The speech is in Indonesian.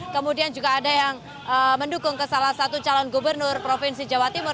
kemudian juga ada yang mendukung ke salah satu calon gubernur provinsi jawa timur